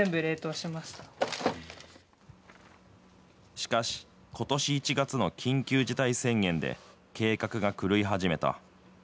しかし、ことし１月の緊急事態宣言で、計画が狂い始めた。